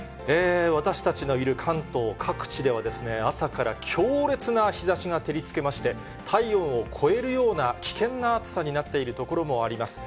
私たちのいる関東各地では、朝から強烈な日ざしが照りつけまして、体温を超えるような危険な暑さになっている所もあります。